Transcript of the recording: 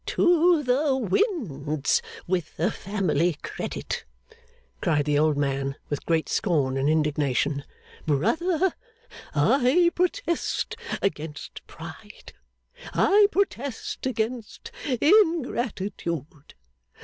'To the winds with the family credit!' cried the old man, with great scorn and indignation. 'Brother, I protest against pride. I protest against ingratitude.